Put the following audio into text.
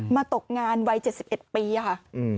ตกงานวัย๗๑ปีค่ะ